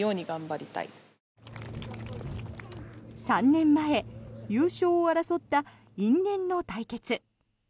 ３年前、優勝を争った因縁の対決。